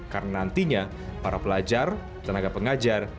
karena nantinya para pelajar tenaga pengajar